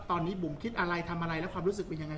ตอนนี้บุ๋มคิดอะไรทำอะไรแล้วความรู้สึกเป็นยังไง